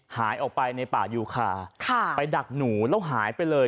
หายออกไปในป่ายูคาไปดักหนูแล้วหายไปเลย